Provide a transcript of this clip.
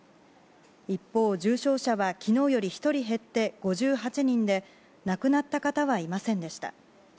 一方、重症者は昨日より１人減って５８人で亡くなった方はいませんでした。